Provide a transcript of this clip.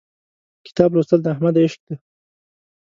کتاب لوستل د احمد عشق دی.